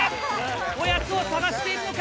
おやつを探しているのか？